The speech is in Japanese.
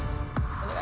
お願い。